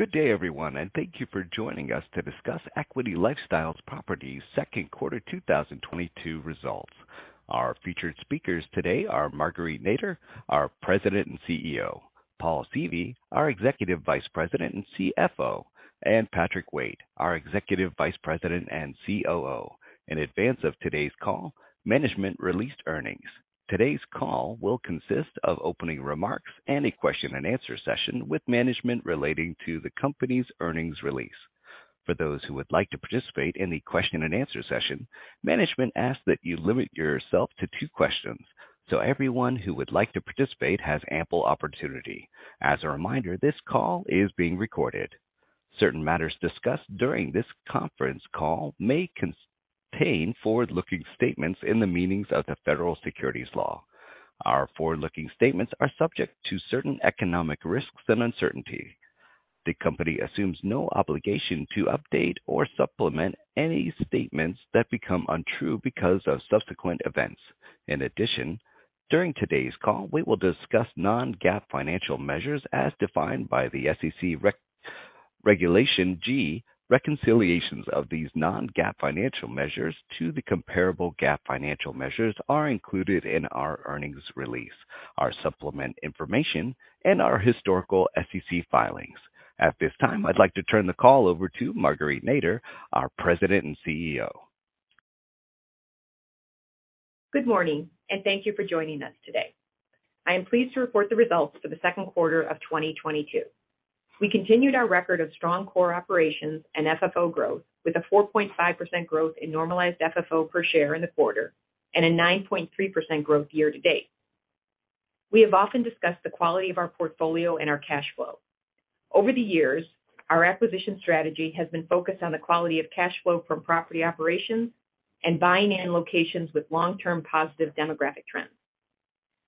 Good day, everyone, and thank you for joining us to discuss Equity LifeStyle Properties second quarter 2022 results. Our featured speakers today are Marguerite Nader, our President and CEO, Paul Seavey, our Executive Vice President and CFO, and Patrick Waite, our Executive Vice President and COO. In advance of today's call, management released earnings. Today's call will consist of opening remarks and a question-and-answer session with management relating to the company's earnings release. For those who would like to participate in the question-and-answer session, management asks that you limit yourself to two questions, so everyone who would like to participate has ample opportunity. As a reminder, this call is being recorded. Certain matters discussed during this conference call may contain forward-looking statements in the meanings of the Federal Securities Laws. Our forward-looking statements are subject to certain economic risks and uncertainty. The company assumes no obligation to update or supplement any statements that become untrue because of subsequent events. In addition, during today's call, we will discuss non-GAAP financial measures as defined by the SEC Regulation G. Reconciliations of these non-GAAP financial measures to the comparable GAAP financial measures are included in our earnings release, our supplemental information, and our historical SEC filings. At this time, I'd like to turn the call over to Marguerite Nader, our President and CEO. Good morning, and thank you for joining us today. I am pleased to report the results for the second quarter of 2022. We continued our record of strong core operations and FFO growth with a 4.5% growth in normalized FFO per share in the quarter and a 9.3% growth year to date. We have often discussed the quality of our portfolio and our cash flow. Over the years, our acquisition strategy has been focused on the quality of cash flow from property operations and buying in locations with long-term positive demographic trends.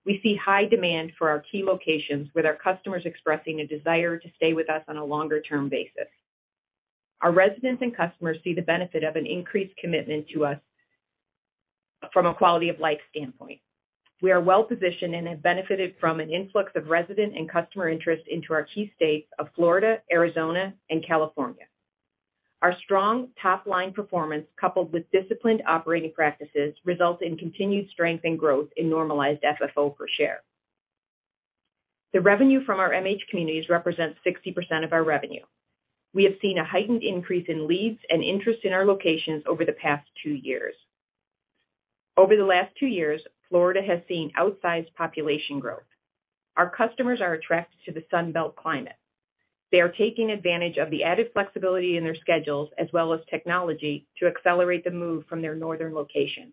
We see high demand for our key locations with our customers expressing a desire to stay with us on a longer-term basis. Our residents and customers see the benefit of an increased commitment to us from a quality-of-life standpoint. We are well positioned and have benefited from an influx of resident and customer interest into our key states of Florida, Arizona, and California. Our strong top-line performance, coupled with disciplined operating practices, result in continued strength and growth in normalized FFO per share. The revenue from our MH communities represents 60% of our revenue. We have seen a heightened increase in leads and interest in our locations over the past two years. Over the last two years, Florida has seen outsized population growth. Our customers are attracted to the Sun Belt climate. They are taking advantage of the added flexibility in their schedules as well as technology to accelerate the move from their northern location.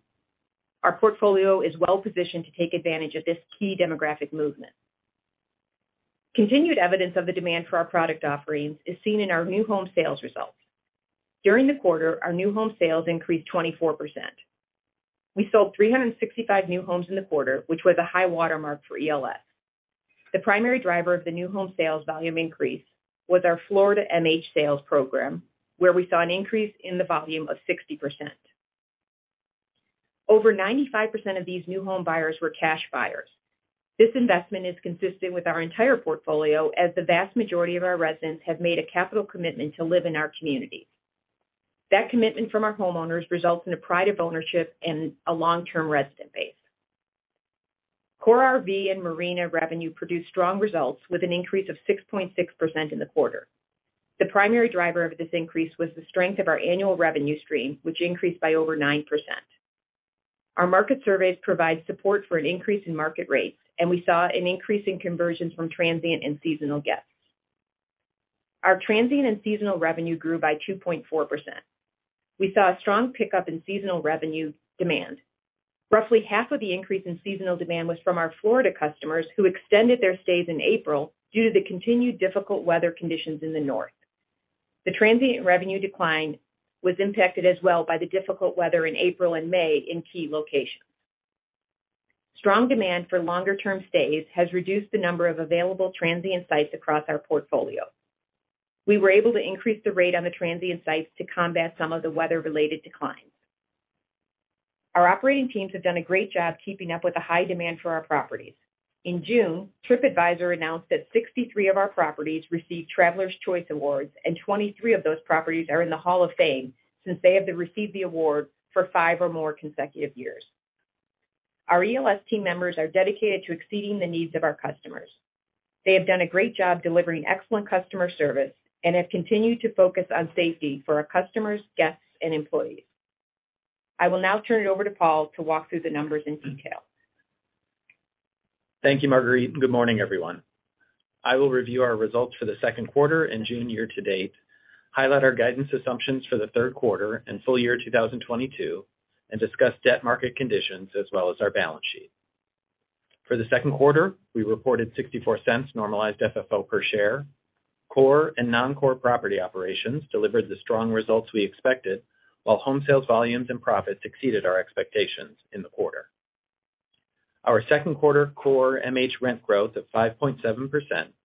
Our portfolio is well positioned to take advantage of this key demographic movement. Continued evidence of the demand for our product offerings is seen in our new home sales results. During the quarter, our new home sales increased 24%. We sold 365 new homes in the quarter, which was a high watermark for ELS. The primary driver of the new home sales volume increase was our Florida MH sales program, where we saw an increase in the volume of 60%. Over 95% of these new home buyers were cash buyers. This investment is consistent with our entire portfolio, as the vast majority of our residents have made a capital commitment to live in our communities. That commitment from our homeowners results in a pride of ownership and a long-term resident base. Core RV and marina revenue produced strong results with an increase of 6.6% in the quarter. The primary driver of this increase was the strength of our annual revenue stream, which increased by over 9%. Our market surveys provide support for an increase in market rates, and we saw an increase in conversions from transient and seasonal guests. Our transient and seasonal revenue grew by 2.4%. We saw a strong pickup in seasonal revenue demand. Roughly half of the increase in seasonal demand was from our Florida customers who extended their stays in April due to the continued difficult weather conditions in the north. The transient revenue decline was impacted as well by the difficult weather in April and May in key locations. Strong demand for longer-term stays has reduced the number of available transient sites across our portfolio. We were able to increase the rate on the transient sites to combat some of the weather-related declines. Our operating teams have done a great job keeping up with the high demand for our properties. In June, Tripadvisor announced that 63 of our properties received Travelers' Choice Awards, and 23 of those properties are in the Tripadvisor Hall of Fame since they have received the award for five or more consecutive years. Our ELS team members are dedicated to exceeding the needs of our customers. They have done a great job delivering excellent customer service and have continued to focus on safety for our customers, guests, and employees. I will now turn it over to Paul to walk through the numbers in detail. Thank you, Marguerite. Good morning, everyone. I will review our results for the second quarter and June year to date, highlight our guidance assumptions for the third quarter and full year 2022, and discuss debt market conditions as well as our balance sheet. For the second quarter, we reported $0.64 normalized FFO per share. Core and non-core property operations delivered the strong results we expected, while home sales volumes and profits exceeded our expectations in the quarter. Our second quarter core MH rent growth of 5.7%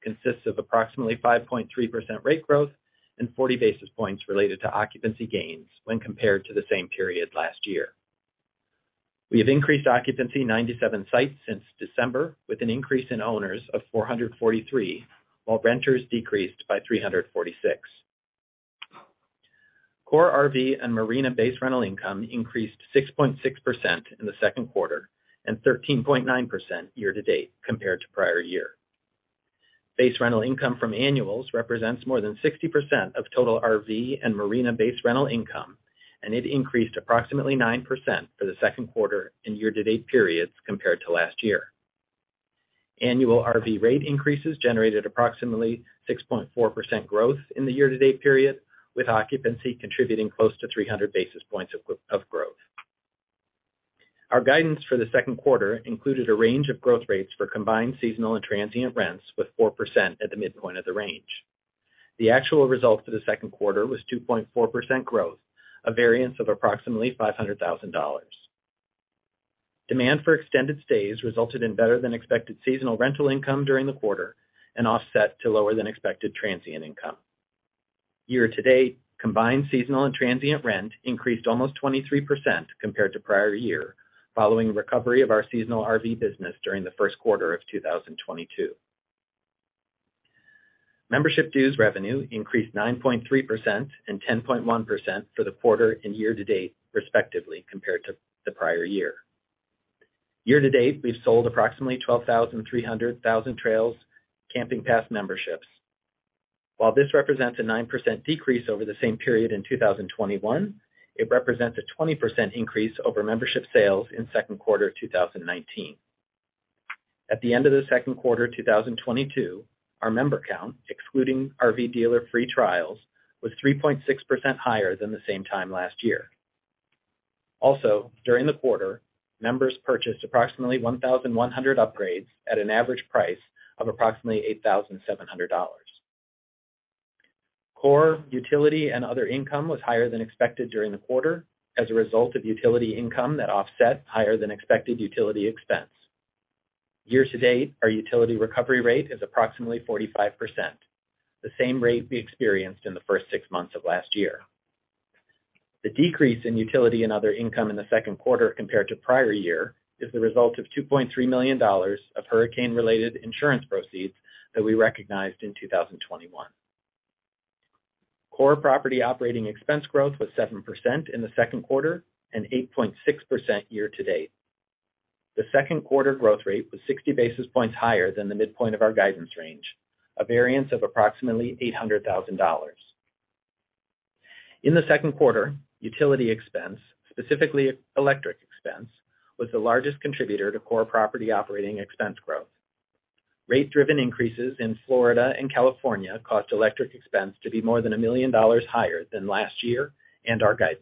consists of approximately 5.3% rate growth and 40 basis points related to occupancy gains when compared to the same period last year. We have increased occupancy 97 sites since December with an increase in owners of 443, while renters decreased by 346. Core RV and marina base rental income increased 6.6% in the second quarter and 13.9% year to date compared to prior year. Base rental income from annuals represents more than 60% of total RV and marina base rental income, and it increased approximately 9% for the second quarter and year to date periods compared to last year. Annual RV rate increases generated approximately 6.4% growth in the year to date period, with occupancy contributing close to 300 basis points of growth. Our guidance for the second quarter included a range of growth rates for combined seasonal and transient rents, with 4% at the midpoint of the range. The actual result for the second quarter was 2.4% growth, a variance of approximately $500,000. Demand for extended stays resulted in better than expected seasonal rental income during the quarter and offset the lower than expected transient income. Year to date, combined seasonal and transient rent increased almost 23% compared to prior year following recovery of our seasonal RV business during the first quarter of 2022. Membership dues revenue increased 9.3% and 10.1% for the quarter and year to date respectively compared to the prior year. Year to date, we've sold approximately 12,300 Thousand Trails Camping Pass memberships. While this represents a 9% decrease over the same period in 2021, it represents a 20% increase over membership sales in second quarter of 2019. At the end of the second quarter 2022, our member count, excluding RV dealer free trials, was 3.6% higher than the same time last year. Also, during the quarter, members purchased approximately 1,100 upgrades at an average price of approximately $8,700. Core utility and other income was higher than expected during the quarter as a result of utility income that offset higher than expected utility expense. Year to date, our utility recovery rate is approximately 45%, the same rate we experienced in the first six months of last year. The decrease in utility and other income in the second quarter compared to prior year is the result of $2.3 million of hurricane related insurance proceeds that we recognized in 2021. Core property operating expense growth was 7% in the second quarter and 8.6% year to date. The second quarter growth rate was 60 basis points higher than the midpoint of our guidance range, a variance of approximately $800,000. In the second quarter, utility expense, specifically electric expense, was the largest contributor to core property operating expense growth. Rate driven increases in Florida and California caused electric expense to be more than $1 million higher than last year and our guidance.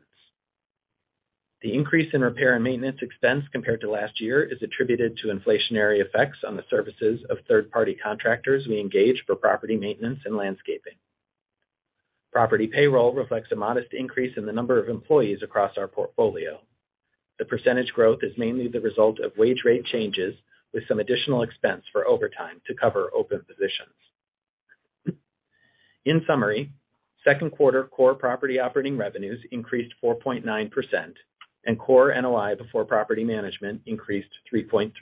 The increase in repair and maintenance expense compared to last year is attributed to inflationary effects on the services of third party contractors we engage for property maintenance and landscaping. Property payroll reflects a modest increase in the number of employees across our portfolio. The percentage growth is mainly the result of wage rate changes with some additional expense for overtime to cover open positions. In summary, second quarter core property operating revenues increased 4.9% and core NOI before property management increased 3.3%.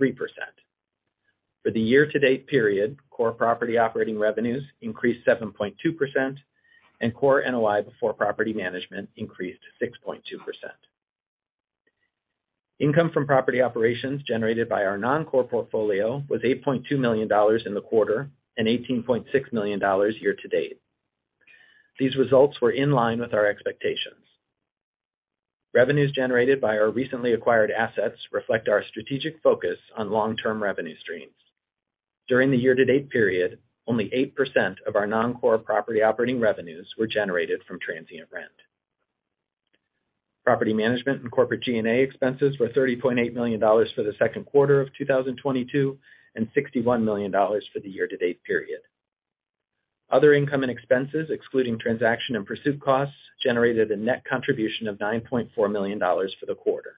For the year to date period, core property operating revenues increased 7.2% and core NOI before property management increased 6.2%. Income from property operations generated by our non-core portfolio was $8.2 million in the quarter and $18.6 million year to date. These results were in line with our expectations. Revenues generated by our recently acquired assets reflect our strategic focus on long-term revenue streams. During the year to date period, only 8% of our non-core property operating revenues were generated from transient rent. Property management and corporate G&A expenses were $30 million for the second quarter of 2022 and $61 million for the year to date period. Other income and expenses, excluding transaction and pursuit costs, generated a net contribution of $9.4 million for the quarter.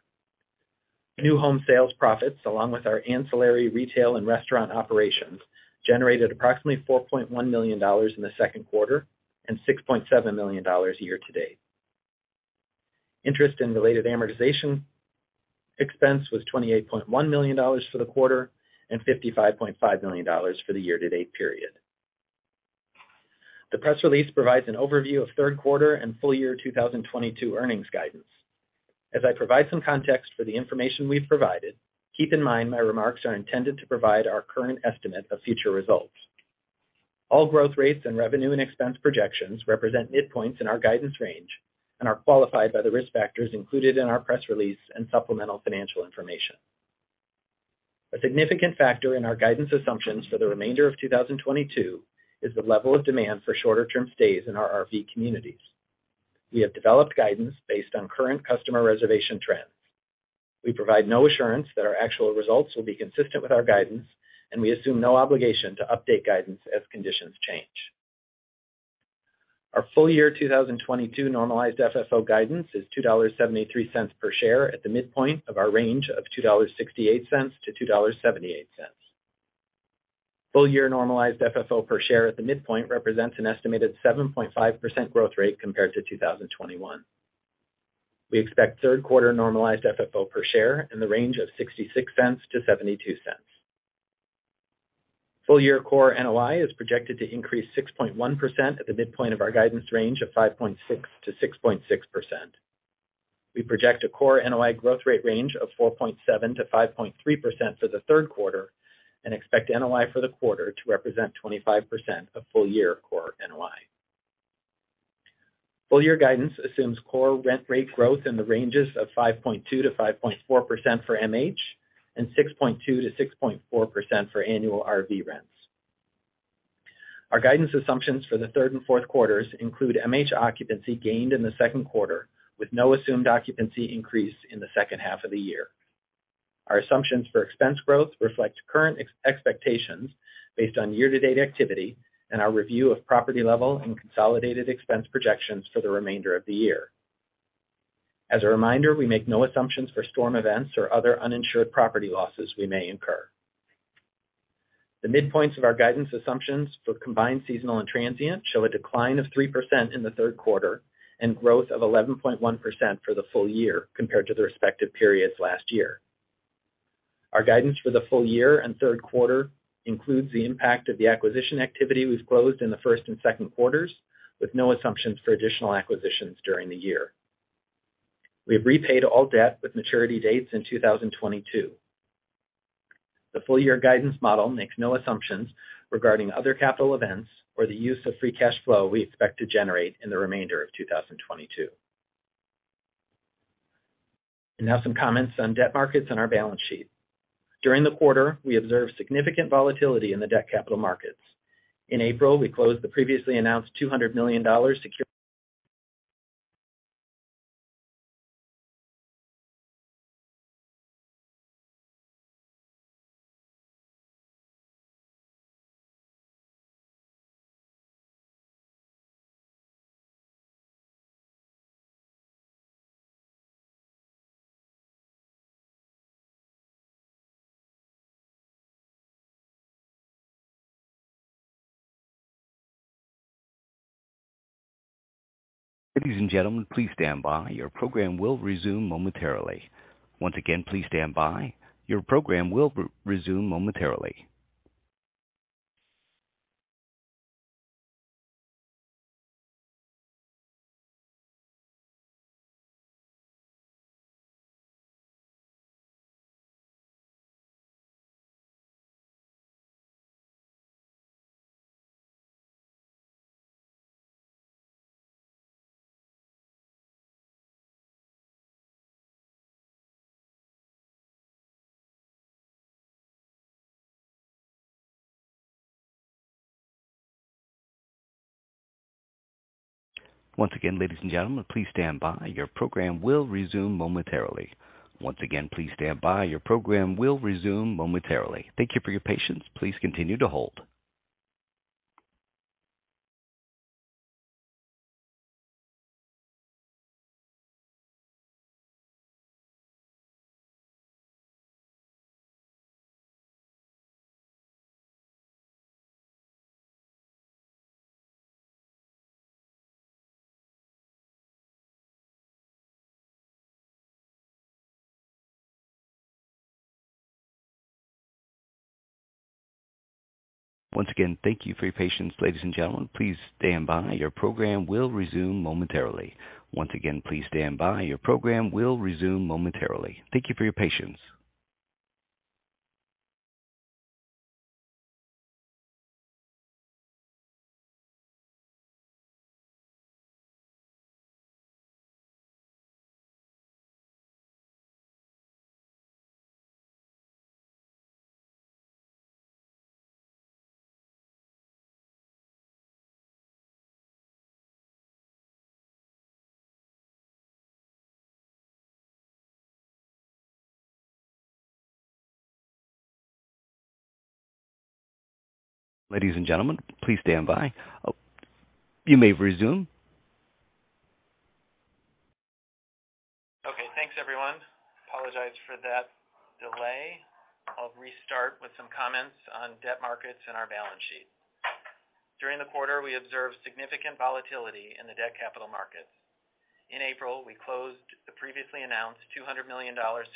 New home sales profits, along with our ancillary retail and restaurant operations, generated approximately $4.1 million in the second quarter and $6.7 million year to date. Interest and related amortization expense was $28.1 million for the quarter and $55.5 million for the year to date period. The press release provides an overview of third quarter and full year 2022 earnings guidance. As I provide some context for the information we've provided, keep in mind my remarks are intended to provide our current estimate of future results. All growth rates and revenue and expense projections represent midpoints in our guidance range and are qualified by the risk factors included in our press release and supplemental financial information. A significant factor in our guidance assumptions for the remainder of 2022 is the level of demand for shorter term stays in our RV communities. We have developed guidance based on current customer reservation trends. We provide no assurance that our actual results will be consistent with our guidance, and we assume no obligation to update guidance as conditions change. Our full year 2022 normalized FFO guidance is $2.73 per share at the midpoint of our range of $2.68-$2.78. Full year normalized FFO per share at the midpoint represents an estimated 7.5% growth rate compared to 2021. We expect third quarter normalized FFO per share in the range of $0.66-$0.72. Full year core NOI is projected to increase 6.1% at the midpoint of our guidance range of 5.6%-6.6%. We project a core NOI growth rate range of 4.7%-5.3% for the third quarter and expect NOI for the quarter to represent 25% of full year core NOI. Full year guidance assumes core rent rate growth in the ranges of 5.2%-5.4% for MH and 6.2%-6.4% for annual RV rents. Our guidance assumptions for the third and fourth quarters include MH occupancy gained in the second quarter with no assumed occupancy increase in the second half of the year. Our assumptions for expense growth reflect current expectations based on year-to-date activity and our review of property level and consolidated expense projections for the remainder of the year. As a reminder, we make no assumptions for storm events or other uninsured property losses we may incur. The midpoints of our guidance assumptions for combined seasonal and transient show a decline of 3% in the third quarter and growth of 11.1% for the full year compared to the respective periods last year. Our guidance for the full year and third quarter includes the impact of the acquisition activity we've closed in the first and second quarters, with no assumptions for additional acquisitions during the year. We have repaid all debt with maturity dates in 2022. The full year guidance model makes no assumptions regarding other capital events or the use of free cash flow we expect to generate in the remainder of 2022. Now some comments on debt markets and our balance sheet. During the quarter, we observed significant volatility in the debt capital markets. In April, we closed the previously announced $200 million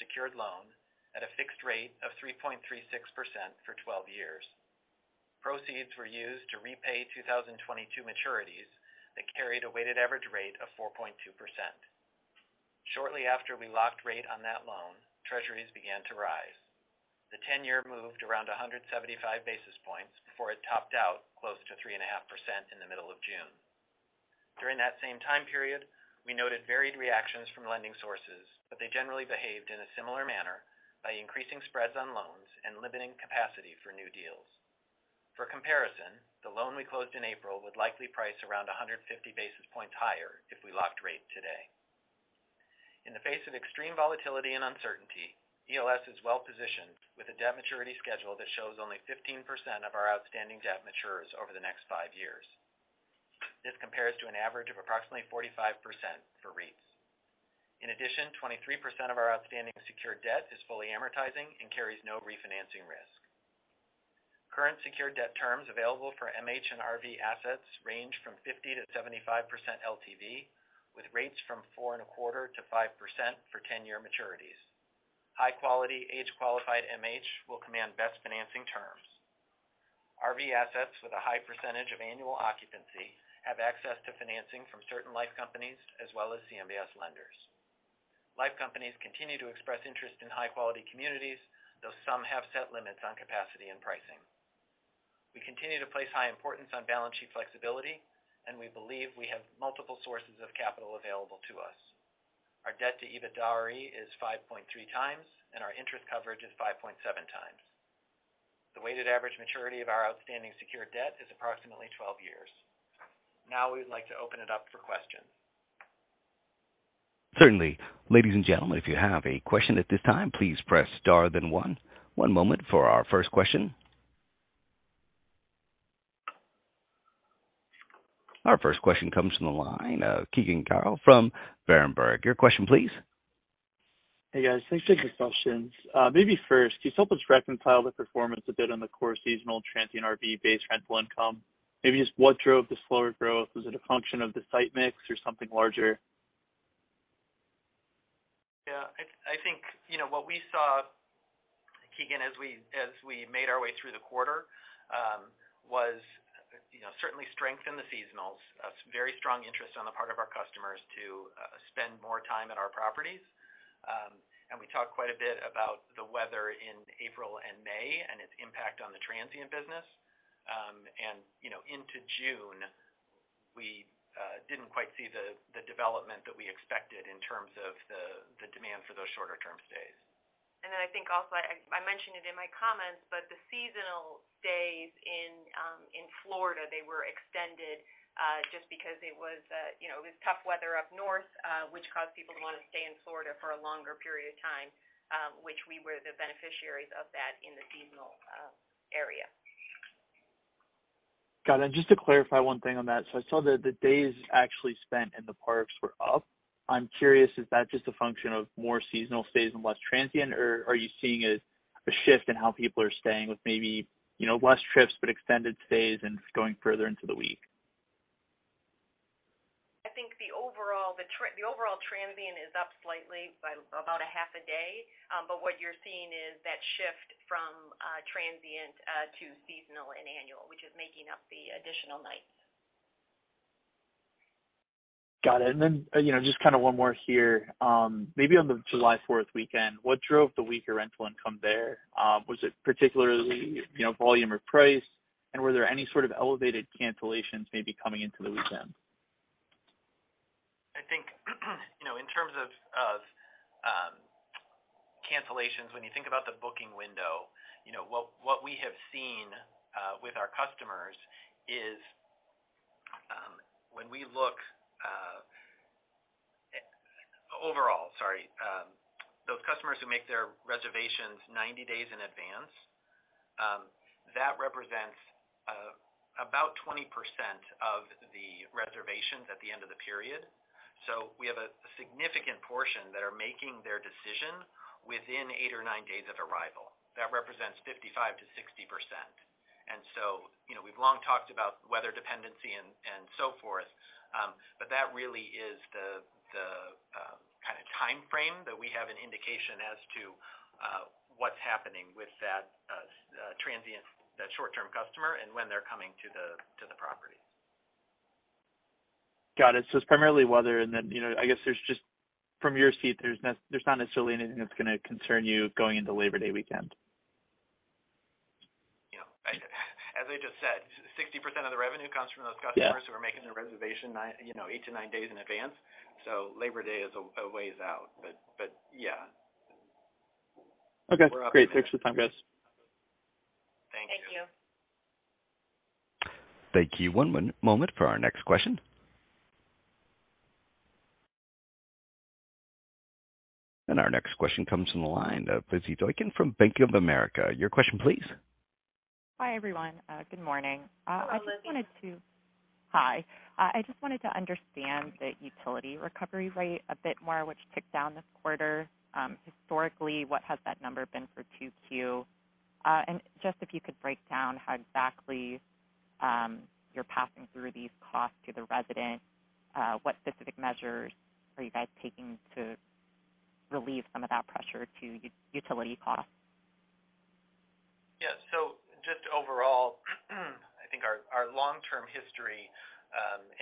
secured loan at a fixed rate of 3.36% for 12 years. Proceeds were used to repay 2022 maturities that carried a weighted average rate of 4.2%. Shortly after we locked rate on that loan, Treasuries began to rise. The 10-year moved around 175 basis points before it topped out close to 3.5% in the middle of June. During that same time period, we noted varied reactions from lending sources, but they generally behaved in a similar manner by increasing spreads on loans and limiting capacity for new deals. For comparison, the loan we closed in April would likely price around 150 basis points higher if we locked rate today. In the face of extreme volatility and uncertainty, ELS is well-positioned with a debt maturity schedule that shows only 15% of our outstanding debt matures over the next five years. Compared to an average of approximately 45% for REITs. In addition, 23% of our outstanding secured debt is fully amortizing and carries no refinancing risk. Current secured debt terms available for MH and RV assets range from 50%-75% LTV, with rates from 4.25%-5% for 10-year maturities. High quality, age-qualified MH will command best financing terms. RV assets with a high percentage of annual occupancy have access to financing from certain life companies as well as CMBS lenders. Life companies continue to express interest in high quality communities, though some have set limits on capacity and pricing. We continue to place high importance on balance sheet flexibility, and we believe we have multiple sources of capital available to us. Our debt to EBITDAre is 5.3x, and our interest coverage is 5.7x. The weighted average maturity of our outstanding secured debt is approximately 12 years. Now we would like to open it up for questions. Certainly. Ladies and gentlemen, if you have a question at this time, please press star then one. One moment for our first question. Our first question comes from the line of Keegan Carl from Berenberg. Your question, please. Hey, guys. Thanks for the questions. Maybe first, can you help us reconcile the performance a bit on the core seasonal transient RV base rental income? Maybe just what drove the slower growth? Was it a function of the site mix or something larger? Yeah, I think, you know, what we saw, Keegan, as we made our way through the quarter, was, you know, certainly strength in the seasonals, a very strong interest on the part of our customers to spend more time at our properties. We talked quite a bit about the weather in April and May and its impact on the transient business. You know, into June, we didn't quite see the development that we expected in terms of the demand for those shorter-term stays. I think also I mentioned it in my comments, but the seasonal stays in Florida, they were extended just because it was you know it was tough weather up north which caused people to wanna stay in Florida for a longer period of time which we were the beneficiaries of that in the seasonal area. Got it. Just to clarify one thing on that. I saw that the days actually spent in the parks were up. I'm curious, is that just a function of more seasonal stays and less transient, or are you seeing a shift in how people are staying with maybe, you know, less trips but extended stays and going further into the week? I think the overall transient is up slightly by about a half a day. What you're seeing is that shift from transient to seasonal and annual, which is making up the additional nights. Got it. Then, you know, just kinda one more here. Maybe on the July Fourth weekend, what drove the weaker rental income there? Was it particularly, you know, volume or price? Were there any sort of elevated cancellations maybe coming into the weekend? I think you know in terms of cancellations when you think about the booking window you know what we have seen with our customers is when we look overall those customers who make their reservations 90 days in advance that represents about 20% of the reservations at the end of the period. We have a significant portion that are making their decision within eight or nine days of arrival. That represents 55%-60%. You know we've long talked about weather dependency and so forth but that really is the kinda timeframe that we have an indication as to what's happening with that transient the short-term customer and when they're coming to the property. Got it. It's primarily weather and then, you know, I guess there's just from your seat, there's not necessarily anything that's gonna concern you going into Labor Day weekend. You know, as I just said, 60% of the revenue comes from those customers. Yeah. Who are making their reservation, you know, 8-9 days in advance. Labor Day is a ways out. Yeah. Okay. We're up for- Great. Thanks for the time, guys. Thank you. Thank you. Thank you. One moment for our next question. Our next question comes from the line of Liz Doykan from Bank of America. Your question, please. Hi, everyone. Good morning. Hello, Liz. I just wanted to understand the utility recovery rate a bit more, which ticked down this quarter. Historically, what has that number been for 2Q? Just if you could break down how exactly you're passing through these costs to the residents, what specific measures are you guys taking to relieve some of that pressure to utility costs? Yeah. Just overall, I think our long-term history,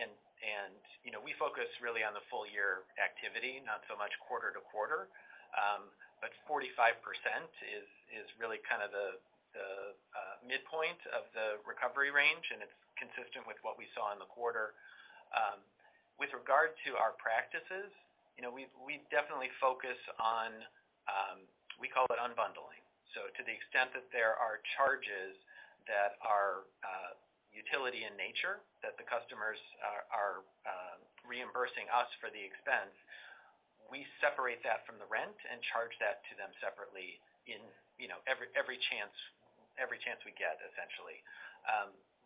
and you know, we focus really on the full year activity, not so much quarter to quarter. 45% is really kind of the midpoint of the recovery range, and it's consistent with what we saw in the quarter. With regard to our practices, you know, we definitely focus on, we call it unbundling. To the extent that there are charges that are utility in nature that the customers are reimbursing us for the expense, we separate that from the rent and charge that to them separately in, you know, every chance we get, essentially.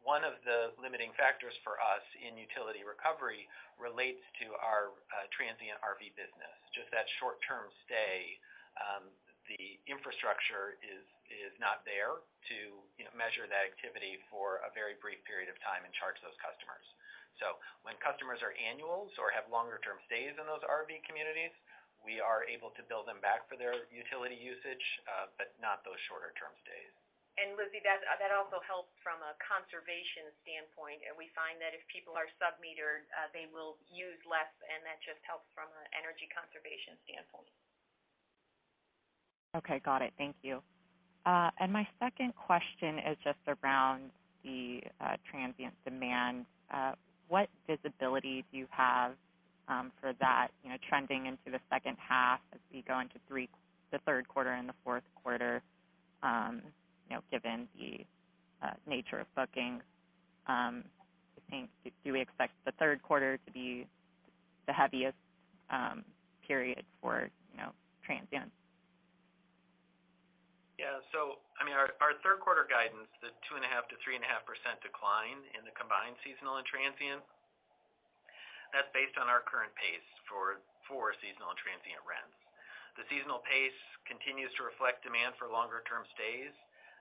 One of the limiting factors for us in utility recovery relates to our transient RV business. Just that short-term stay, the infrastructure is not there to, you know, measure that activity for a very brief period of time and charge those customers. When customers are annuals or have longer-term stays in those RV communities, we are able to bill them back for their utility usage, but not those shorter-term stays. Liz, that also helps from a conservation standpoint. We find that if people are sub-metered, they will use less, and that just helps from an energy conservation standpoint. Okay, got it. Thank you. My second question is just around the transient demand. What visibility do you have for that, you know, trending into the second half as we go into the third quarter and the fourth quarter, you know, given the nature of bookings, I think, do we expect the third quarter to be the heaviest period for, you know, transients? Yeah. I mean, our third quarter guidance, the 2.5%-3.5% decline in the combined seasonal and transient, that's based on our current pace for seasonal and transient rents. The seasonal pace continues to reflect demand for longer-term stays.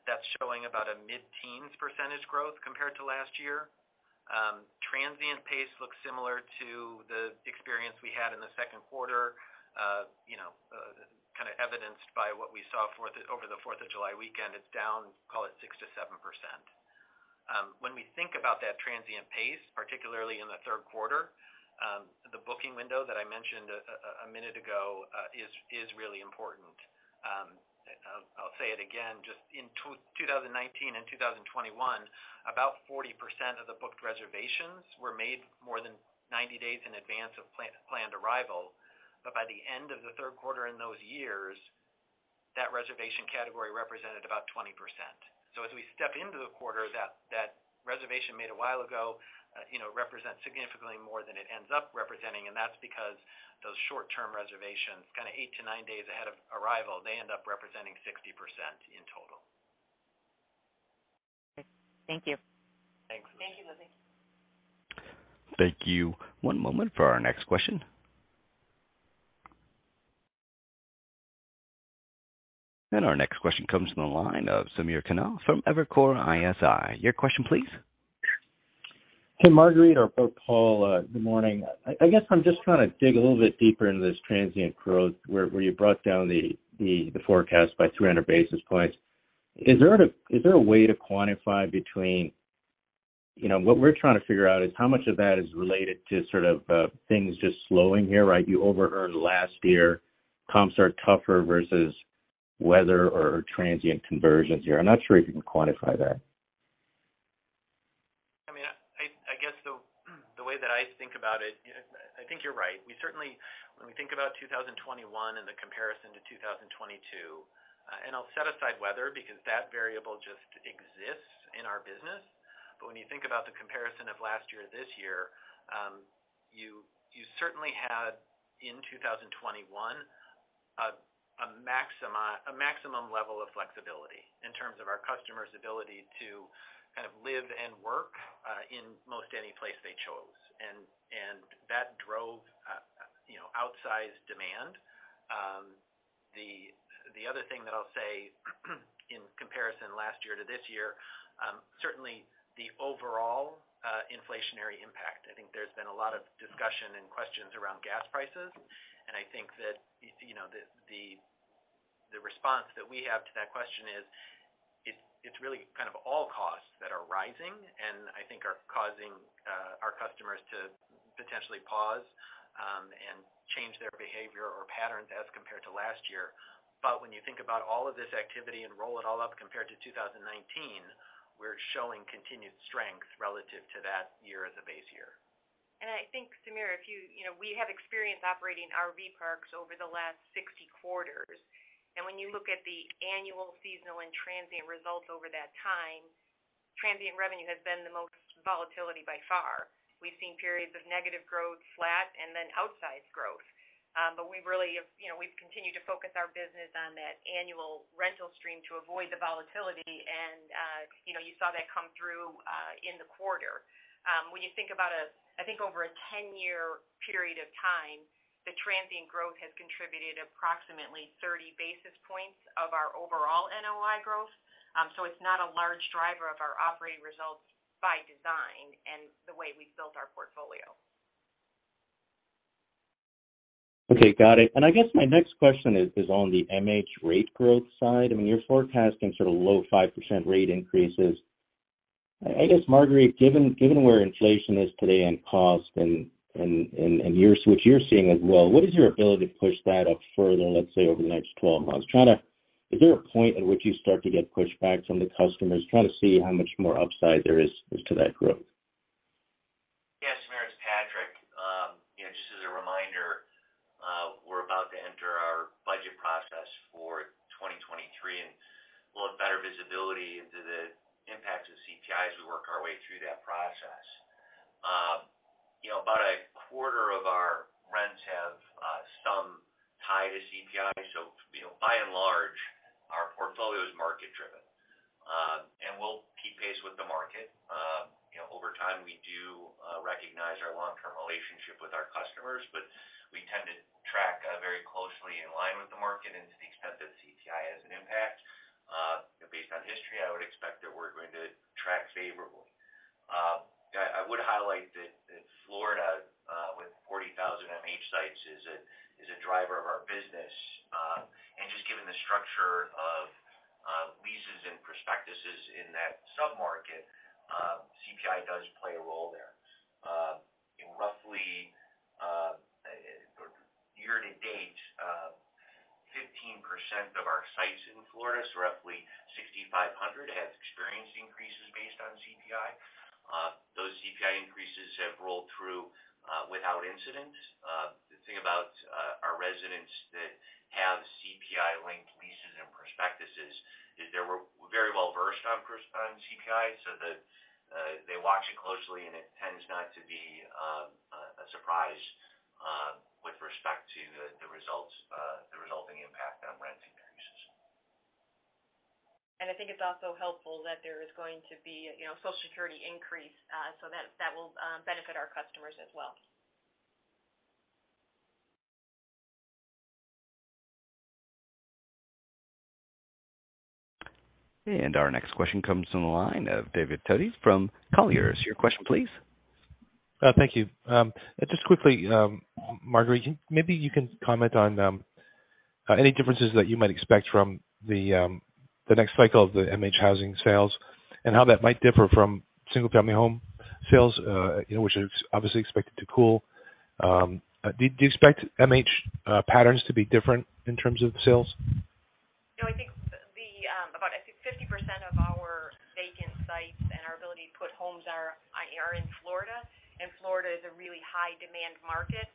That's showing about a mid-teens percent growth compared to last year. Transient pace looks similar to the experience we had in the second quarter, you know, kinda evidenced by what we saw over the Fourth of July weekend. It's down, call it 6%-7%. When we think about that transient pace, particularly in the third quarter, the booking window that I mentioned a minute ago is really important. I'll say it again, just in 2019 and 2021, about 40% of the booked reservations were made more than 90 days in advance of planned arrival. By the end of the third quarter in those years, that reservation category represented about 20%. As we step into the quarter, that reservation made a while ago, you know, represents significantly more than it ends up representing, and that's because those short-term reservations, kinda eight to nine days ahead of arrival, they end up representing 60% in total. Okay. Thank you. Thanks, Liz Doykan. Thank you, Liz. Thank you. One moment for our next question. Our next question comes from the line of Samir Khanal from Evercore ISI. Your question please. Hey, Marguerite or Paul, good morning. I guess I'm just trying to dig a little bit deeper into this transient growth where you brought down the forecast by 300 basis points. Is there a way to quantify between. You know, what we're trying to figure out is how much of that is related to sort of things just slowing here, right? You overearned last year, comps are tougher versus weather or transient conversions here. I'm not sure if you can quantify that. I mean, I guess the way that I think about it, you know, I think you're right. We certainly, when we think about 2021 and the comparison to 2022, and I'll set aside weather because that variable just exists in our business. When you think about the comparison of last year to this year, you certainly had, in 2021, a maximum level of flexibility in terms of our customers' ability to kind of live and work, in most any place they chose. That drove, you know, outsized demand. The other thing that I'll say in comparison last year to this year, certainly the overall, inflationary impact. I think there's been a lot of discussion and questions around gas prices, and I think that you know the response that we have to that question is, it's really kind of all costs that are rising and I think are causing our customers to potentially pause and change their behavior or patterns as compared to last year. When you think about all of this activity and roll it all up compared to 2019, we're showing continued strength relative to that year as a base year. I think, Sameer, we have experience operating RV parks over the last 60 quarters. When you look at the annual, seasonal, and transient results over that time, transient revenue has been the most volatile by far. We've seen periods of negative growth, flat, and then outsized growth. We've continued to focus our business on that annual rental stream to avoid the volatility and, you know, you saw that come through in the quarter. When you think about, I think, over a 10-year period of time, the transient growth has contributed approximately 30 basis points of our overall NOI growth. So it's not a large driver of our operating results by design and the way we've built our portfolio. Okay, got it. I guess my next question is on the MH rate growth side. I mean, you're forecasting sort of low 5% rate increases. I guess, Marguerite, given where inflation is today and costs and yours—what you're seeing as well, what is your ability to push that up further, let's say over the next 12 months? Is there a point at which you start to get pushbacks from the customers? Trying to see how much more upside there is to that growth. Yeah, Samir, it's Patrick. You know, just as a reminder, we're about to enter our budget process for 2023, and We'll have better visibility into the impact of CPI as we work our way through that process. You know, about a quarter of our rents have some tie to CPI. You know, by and large, our portfolio is market driven. We'll keep pace with the market. You know, over time, we do recognize our long-term relationship with our customers, but we tend to track very closely in line with the market and to the extent that CPI has an impact. Based on history, I would expect that we're going to track favorably. I would highlight that Florida with 40,000 MH sites is a driver of our business. Just given the structure of leases and prospectuses in that sub-market, CPI does play a role there. Roughly, year to date, 15% of our sites in Florida, so roughly 6,500, have experienced increases based on CPI. Those CPI increases have rolled through without incident. The thing about our residents that have CPI-linked leases and prospectuses is they're very well versed on CPI, so that they watch it closely, and it tends not to be a surprise with respect to the resulting impact on rent increases. I think it's also helpful that there is going to be a, you know, Social Security increase, so that will benefit our customers as well. Our next question comes from the line of David Toti from Colliers. Your question please. Thank you. Just quickly, Marguerite, maybe you can comment on any differences that you might expect from the next cycle of the MH housing sales and how that might differ from single-family home sales, you know, which is obviously expected to cool. Do you expect MH patterns to be different in terms of sales? No, I think about 50% of our vacant sites and our ability to put homes are in Florida, and Florida is a really high demand market.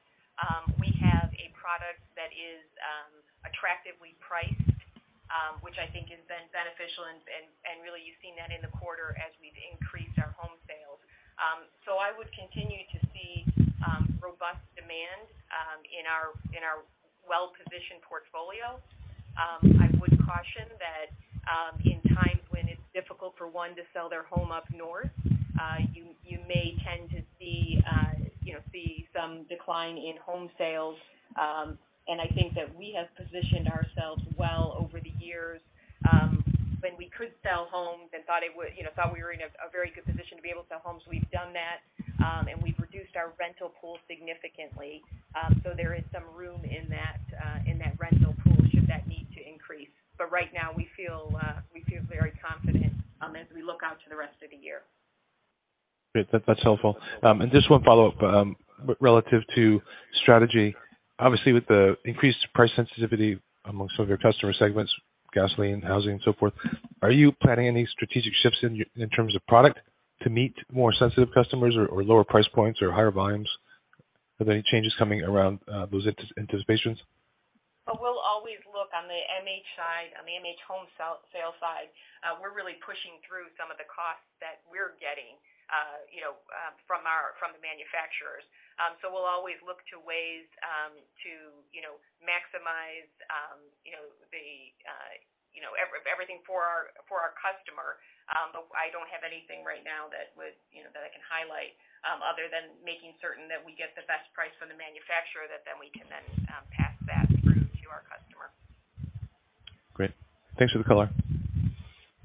We have a product that is attractively priced, which I think has been beneficial and really you've seen that in the quarter as we've increased our home sales. I would continue to see robust demand in our well-positioned portfolio. I would caution that in times when it's difficult for one to sell their home up north, you may tend to see, you know, some decline in home sales. I think that we have positioned ourselves well over the years, when we could sell homes and thought we were in a very good position to be able to sell homes. We've done that, and we've reduced our rental pool significantly. So there is some room in that rental pool, should that need to increase. Right now we feel very confident as we look out to the rest of the year. Great. That's helpful. Just one follow-up relative to strategy. Obviously, with the increased price sensitivity among some of your customer segments, gasoline, housing, and so forth, are you planning any strategic shifts in terms of product to meet more sensitive customers or lower price points or higher volumes? Are there any changes coming around those anticipations? We'll always look on the MH side, on the MH home sale side. We're really pushing through some of the costs that we're getting, you know, from the manufacturers. So we'll always look to ways to, you know, maximize, you know, the everything for our customer. But I don't have anything right now that would, you know, that I can highlight, other than making certain that we get the best price from the manufacturer that then we can pass that through to our customer. Great. Thanks for the color.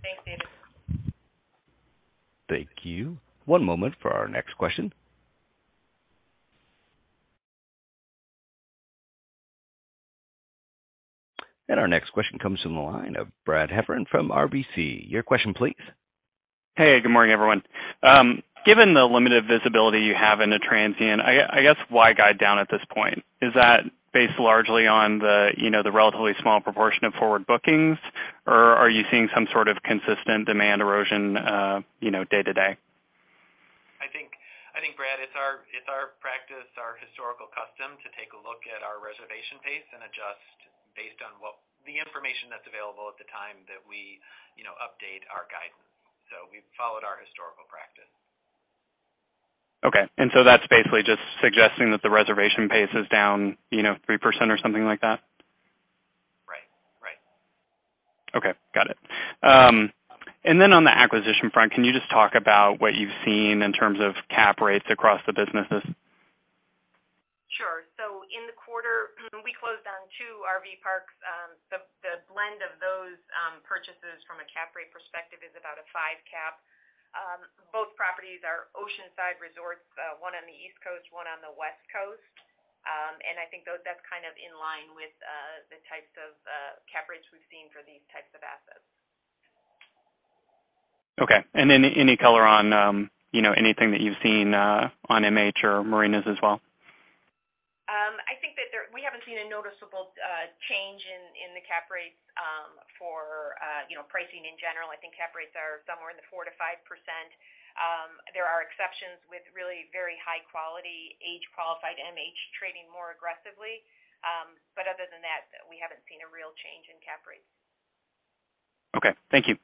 Thanks, David. Thank you. One moment for our next question. Our next question comes from the line of Brad Heffern from RBC. Your question please. Hey, good morning, everyone. Given the limited visibility you have in the transient, I guess, why guide down at this point? Is that based largely on the, you know, the relatively small proportion of forward bookings, or are you seeing some sort of consistent demand erosion, you know, day to day? I think, Brad, it's our practice, our historical custom to take a look at our reservation pace and adjust based on what the information that's available at the time that we, you know, update our guidance. We've followed our historical practice. Okay. That's basically just suggesting that the reservation pace is down, you know, 3% or something like that? Right. Right. Okay. Got it. On the acquisition front, can you just talk about what you've seen in terms of cap rates across the businesses? Sure. In the quarter, we closed on two RV parks. The blend of those purchases from a cap rate perspective is about a five cap. Both properties are oceanside resorts, one on the East Coast, one on the West Coast. I think that's kind of in line with the types of cap rates we've seen for these types of assets. Okay. Any color on, you know, anything that you've seen on MH or marinas as well? I think that we haven't seen a noticeable change in the cap rates for you know, pricing in general. I think cap rates are somewhere in the 4%-5%. There are exceptions with really very high quality age qualified MH trading more aggressively. But other than that, we haven't seen a real change in cap rates. Okay. Thank you.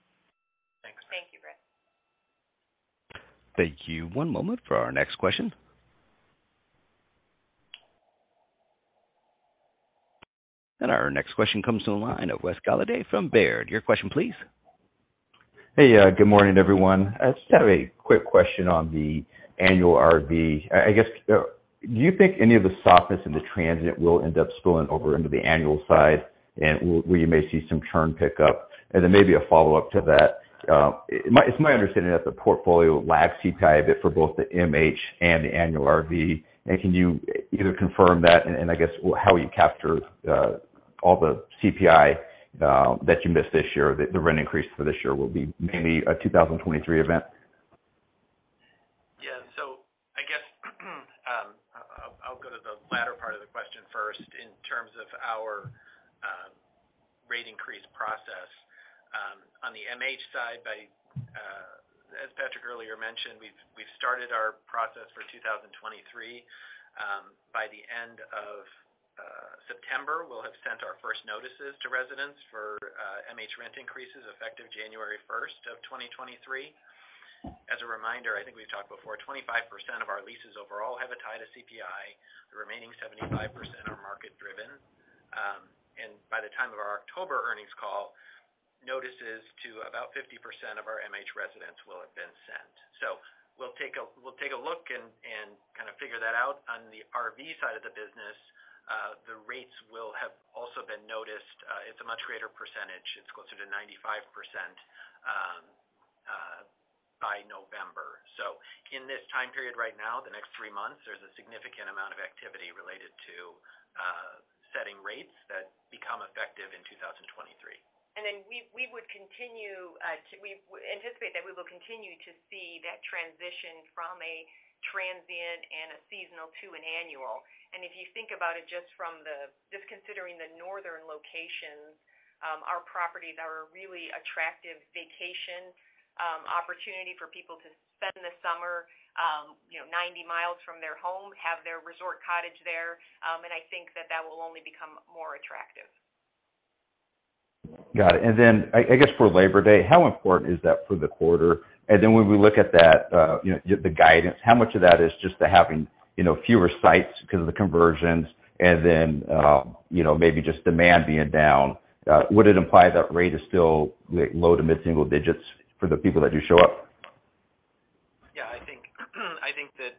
Thank you. One moment for our next question. Our next question comes to the line of Wes Golladay from Baird. Your question please. Hey, good morning, everyone. I just have a quick question on the annual RV. I guess do you think any of the softness in the transient will end up spilling over into the annual side and where you may see some churn pickup? Then maybe a follow-up to that. It's my understanding that the portfolio lags CPI a bit for both the MH and the annual RV. Can you either confirm that and I guess how you capture all the CPI that you missed this year, the rent increase for this year will be maybe a 2023 event? Yeah. I guess I'll go to the latter part of the question first in terms of our rate increase process. On the MH side, as Patrick earlier mentioned, we've started our process for 2023. By the end of September, we'll have sent our first notices to residents for MH rent increases effective January first of 2023. As a reminder, I think we've talked before, 25% of our leases overall have a tie to CPI. The remaining 75% are market driven. By the time of our October earnings call, notices to about 50% of our MH residents will have been sent. We'll take a look and kind of figure that out. On the RV side of the business, the rates will have also been noticed. It's a much greater percentage. It's closer to 95% by November. In this time period right now, the next three months, there's a significant amount of activity related to setting rates that become effective in 2023. We anticipate that we will continue to see that transition from a transient and a seasonal to an annual. If you think about it just from considering the northern locations, our properties are a really attractive vacation opportunity for people to spend the summer, you know, 90 miles from their home, have their resort cottage there. I think that will only become more attractive. Got it. Then I guess for Labor Day, how important is that for the quarter? Then when we look at that, you know, the guidance, how much of that is just to having, you know, fewer sites 'cause of the conversions and then, you know, maybe just demand being down? Would it imply that rate is still low to mid-single digits for the people that do show up? Yeah, I think that.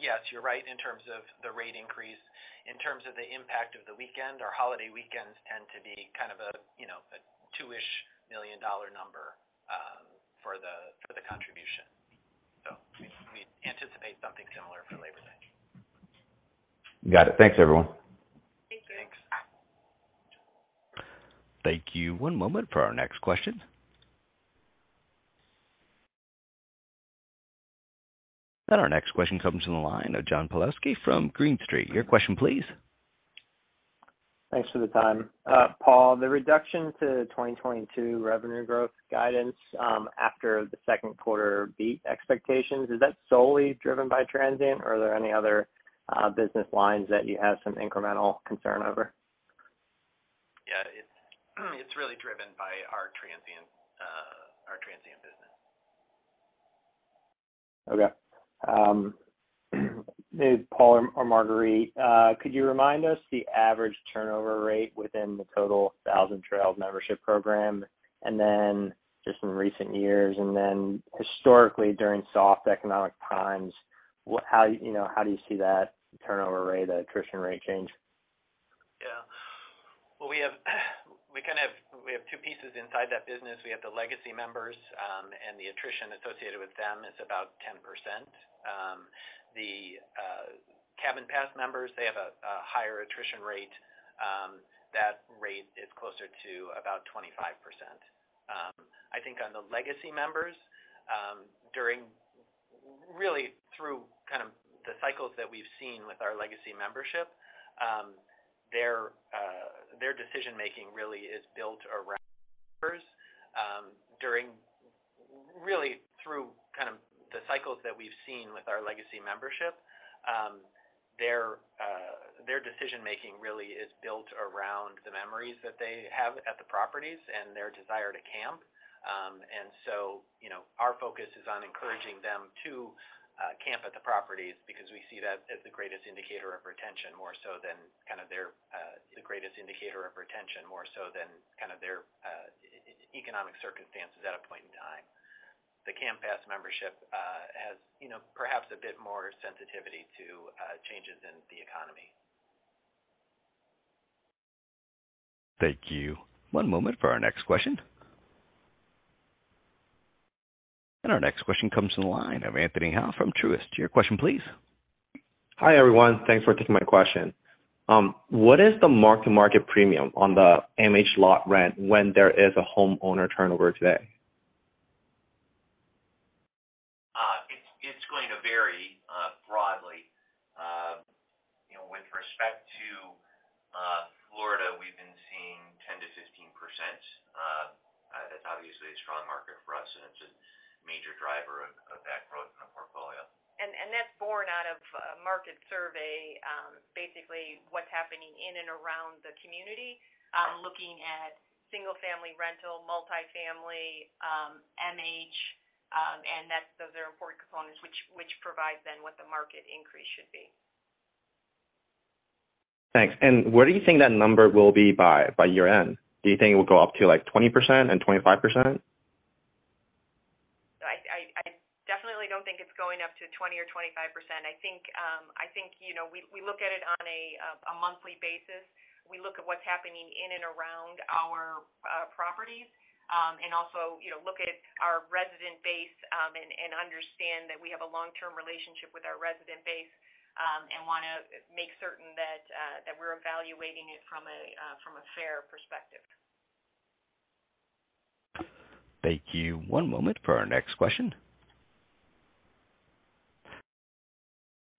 Yes, you're right in terms of the rate increase. In terms of the impact of the weekend, our holiday weekends tend to be kind of a, you know, a $2 million number for the contribution. We anticipate something similar for Labor Day. Got it. Thanks, everyone. Thanks. Thanks. Thank you. One moment for our next question. Our next question comes from the line of John Pawlowski from Green Street. Your question please. Thanks for the time. Paul, the reduction to 2022 revenue growth guidance, after the second quarter beat expectations, is that solely driven by transient, or are there any other business lines that you have some incremental concern over? Yeah. It's really driven by our transient business. Maybe Paul or Marguerite could you remind us the average turnover rate within the total Thousand Trails membership program? Then just in recent years and then historically, during soft economic times, how, you know, how do you see that turnover rate, the attrition rate change? Yeah. Well, we have two pieces inside that business. We have the legacy members, and the attrition associated with them is about 10%. The Camping Pass members have a higher attrition rate. That rate is closer to about 25%. I think on the legacy members, during really through kind of the cycles that we've seen with our legacy membership, their decision-making really is built around the memories that they have at the properties and their desire to camp. Our focus is on encouraging them to camp at the properties because we see that as the greatest indicator of retention, more so than kind of their economic circumstances at a point in time. The Camping Pass membership has, you know, perhaps a bit more sensitivity to changes in the economy. Thank you. One moment for our next question. Our next question comes to the line of Anthony Hau from Truist. Your question please. Hi, everyone. Thanks for taking my question. What is the mark-to-market premium on the MH lot rent when there is a homeowner turnover today? It's going to vary broadly. You know, with respect to Florida, we've been seeing 10%-15%. That's obviously a strong market for us, and it's a major driver of That's born out of a market survey, basically what's happening in and around the community, looking at single-family rental, multi-family, MH. Those are important components which provides then what the market increase should be. Thanks. Where do you think that number will be by year-end? Do you think it will go up to, like, 20% and 25%? I definitely don't think it's going up to 20 or 25%. I think, you know, we look at it on a monthly basis. We look at what's happening in and around our properties, and also, you know, look at our resident base, and understand that we have a long-term relationship with our resident base, and wanna make certain that we're evaluating it from a fair perspective. Thank you. One moment for our next question.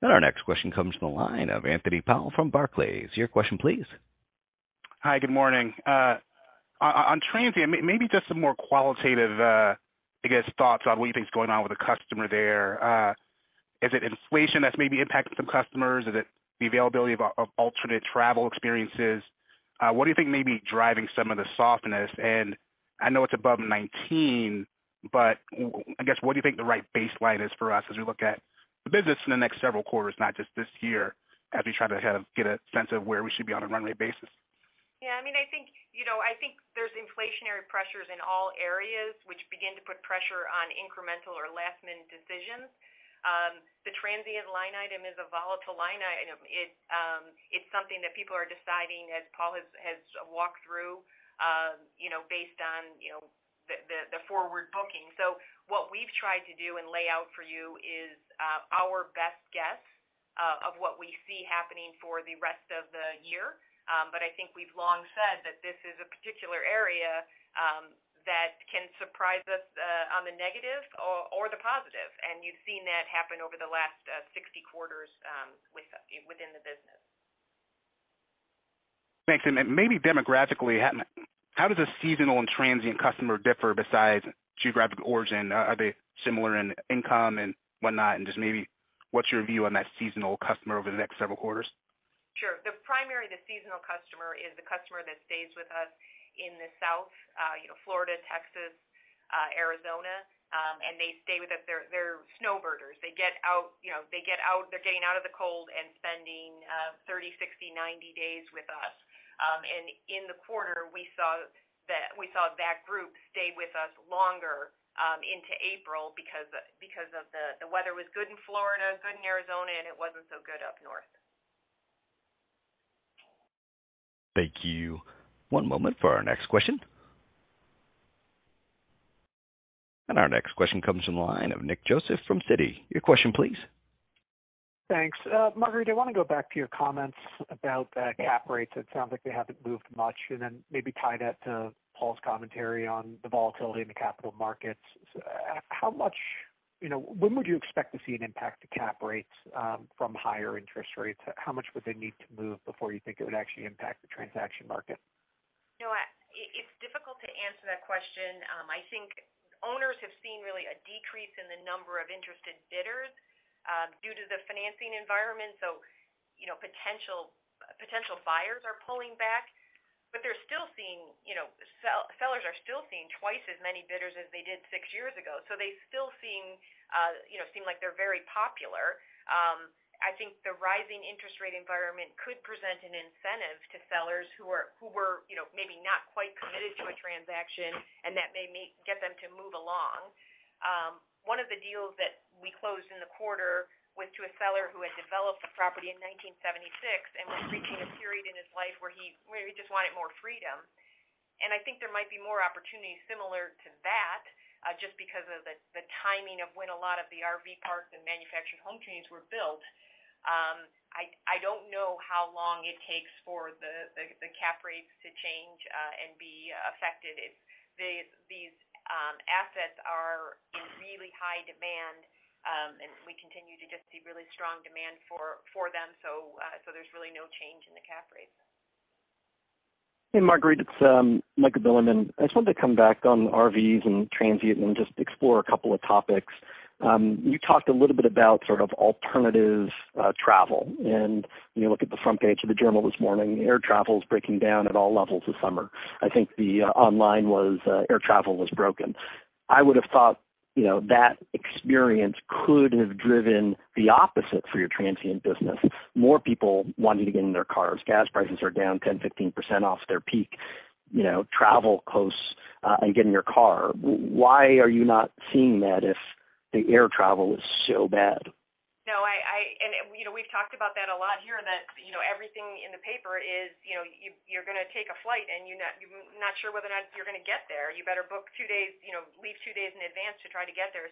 Our next question comes from the line of Anthony Powell from Barclays. Your question please. Hi. Good morning. On transient, maybe just some more qualitative, I guess, thoughts on what you think is going on with the customer there. Is it inflation that's maybe impacting some customers? Is it the availability of alternate travel experiences? What do you think may be driving some of the softness? I know it's above 2019, but I guess, what do you think the right baseline is for us as we look at the business in the next several quarters, not just this year, as we try to kind of get a sense of where we should be on a runway basis? Yeah. I mean, I think, you know, I think there's inflationary pressures in all areas which begin to put pressure on incremental or last-minute decisions. The transient line item is a volatile line item. It, it's something that people are deciding, as Paul has walked through, you know, based on, you know, the forward booking. What we've tried to do and lay out for you is our best guess of what we see happening for the rest of the year. I think we've long said that this is a particular area that can surprise us on the negative or the positive, and you've seen that happen over the last 60 quarters within the business. Thanks. Maybe demographically, how does a seasonal and transient customer differ besides geographic origin? Are they similar in income and whatnot? Just maybe, what's your view on that seasonal customer over the next several quarters? Sure. The primary seasonal customer is the customer that stays with us in the South, you know, Florida, Texas, Arizona, and they stay with us. They're snowbirders. They get out, you know, they're getting out of the cold and spending 30-60-90 days with us. In the quarter, we saw that group stay with us longer into April because the weather was good in Florida, good in Arizona, and it wasn't so good up north. Thank you. One moment for our next question. Our next question comes from the line of Nick Joseph from Citi. Your question please. Thanks. Marguerite, I wanna go back to your comments about cap rates. It sounds like they haven't moved much. Maybe tie that to Paul's commentary on the volatility in the capital markets. You know, when would you expect to see an impact to cap rates from higher interest rates? How much would they need to move before you think it would actually impact the transaction market? No, it's difficult to answer that question. I think owners have seen really a decrease in the number of interested bidders due to the financing environment, so, you know, potential buyers are pulling back. They're still seeing, you know, sellers are still seeing twice as many bidders as they did six years ago, so they're still seeing, you know, seem like they're very popular. I think the rising interest rate environment could present an incentive to sellers who were, you know, maybe not quite committed to a transaction, and that may get them to move along. One of the deals that we closed in the quarter went to a seller who had developed the property in 1976 and was reaching a period in his life where he just wanted more freedom. I think there might be more opportunities similar to that, just because of the timing of when a lot of the RV parks and manufactured home communities were built. I don't know how long it takes for the cap rates to change and be affected if these assets are in really high demand and we continue to just see really strong demand for them. There's really no change in the cap rates. Hey, Marguerite, it's Michael Bilerman. I just wanted to come back on RVs and transient and just explore a couple of topics. You talked a little bit about sort of alternatives, travel. When you look at the front page of the Journal this morning, air travel's breaking down at all levels this summer. I think air travel was broken. I would have thought, you know, that experience could have driven the opposite for your transient business, more people wanting to get in their cars. Gas prices are down 10%-15% off their peak. You know, travel close and get in your car. Why are you not seeing that if the air travel is so bad? No, I. You know, we've talked about that a lot here, and that, you know, everything in the paper is, you know, you're gonna take a flight, and you're not sure whether or not you're gonna get there. You better book two days, you know, leave two days in advance to try to get there.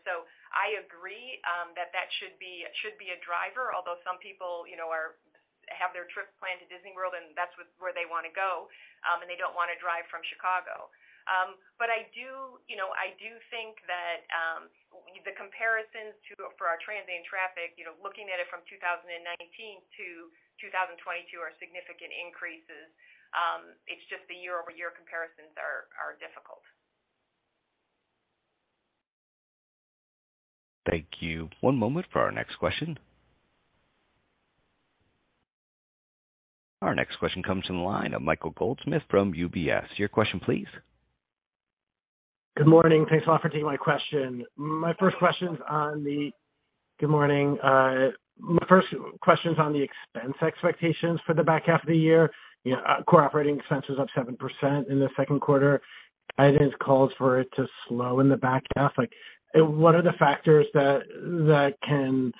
I agree that that should be a driver, although some people, you know, have their trip planned to Disney World, and that's where they wanna go, and they don't wanna drive from Chicago. But I do, you know, I do think that the comparisons for our transient traffic, you know, looking at it from 2019- 2022, are significant increases. It's just the year-over-year comparisons are difficult. Thank you. One moment for our next question. Our next question comes from the line of Michael Goldsmith from UBS. Your question please. Good morning. Thanks a lot for taking my question. My first question's on the expense expectations for the back half of the year. You know, core operating expenses up 7% in the second quarter. Guidance calls for it to slow in the back half. Like, what are the factors that can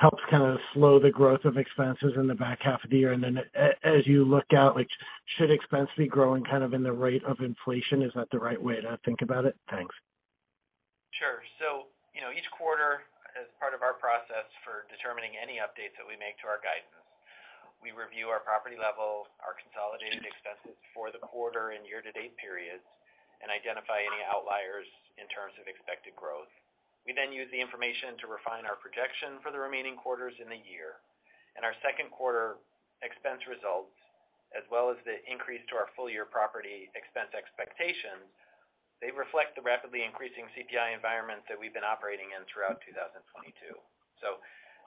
help kind of slow the growth of expenses in the back half of the year? And then as you look out, like should expense be growing kind of in the rate of inflation? Is that the right way to think about it? Thanks. Sure. You know, each quarter, as part of our process for determining any updates that we make to our guidance, we review our property level, our consolidated expenses for the quarter and year to date periods, and identify any outliers in terms of expected growth. We then use the information to refine our projection for the remaining quarters in the year. Our second quarter expense results, as well as the increase to our full year property expense expectations, they reflect the rapidly increasing CPI environment that we've been operating in throughout 2022.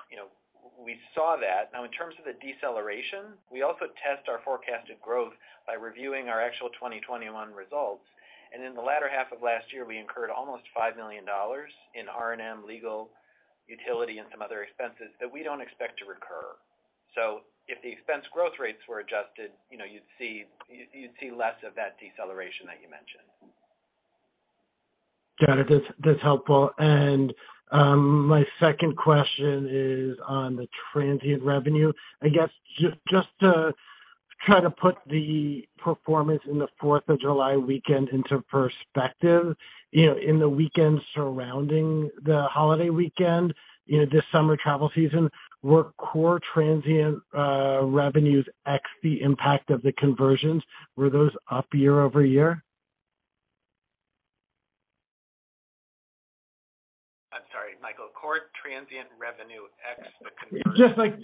You know, we saw that. Now in terms of the deceleration, we also test our forecasted growth by reviewing our actual 2021 results. In the latter half of last year, we incurred almost $5 million in R&M, legal, utility and some other expenses that we don't expect to recur. If the expense growth rates were adjusted, you know, you'd see less of that deceleration that you mentioned. Got it. That's helpful. My second question is on the transient revenue. I guess just to try to put the performance in the Fourth of July weekend into perspective, you know, in the weekend surrounding the holiday weekend, you know, this summer travel season, were core transient revenues ex the impact of the conversions, were those up year over year? I'm sorry, Michael. Core transient revenue ex the conversions. Just like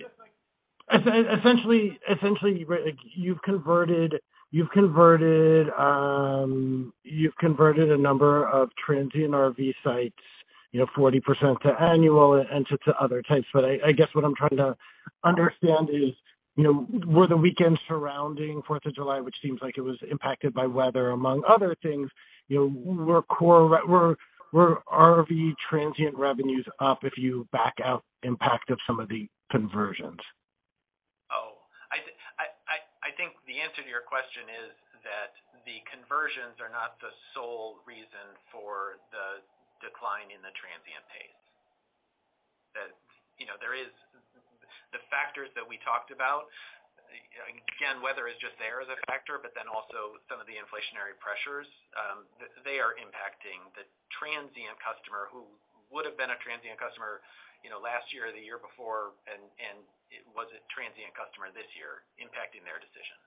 essentially, like you've converted a number of transient RV sites, you know, 40% to annual and to other types. I guess what I'm trying to understand is, you know, were the weekends surrounding Fourth of July, which seems like it was impacted by weather among other things, you know, were core RV transient revenues up if you back out impact of some of the conversions? Oh, I think the answer to your question is that the conversions are not the sole reason for the decline in the transient pace. That, you know, there is the factors that we talked about, again, weather is just there as a factor, but then also some of the inflationary pressures, they are impacting the transient customer who would have been a transient customer, you know, last year or the year before and wasn't a transient customer this year impacting their decision.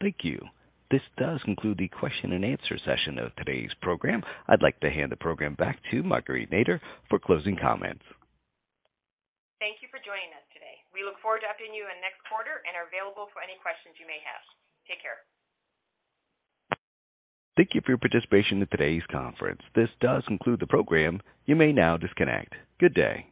Thank you. This does conclude the question and answer session of today's program. I'd like to hand the program back to Marguerite Nader for closing comments. Thank you for joining us today. We look forward to updating you in next quarter and are available for any questions you may have. Take care. Thank you for your participation in today's conference. This does conclude the program. You may now disconnect. Good day.